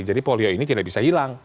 jadi polio ini tidak bisa hilang